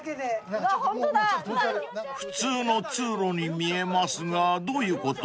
［普通の通路に見えますがどういうこと？］